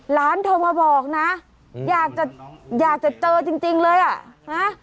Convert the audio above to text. โทรมาบอกนะอยากจะอยากจะเจอจริงเลยอ่ะนะ